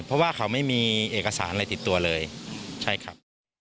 เพราะว่าเขาไม่มีเอกสารอะไรติดตัวเลยใช่ครับ